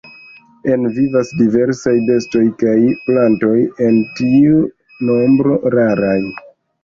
En vivas diversaj bestoj kaj plantoj, en tiu nombro raraj.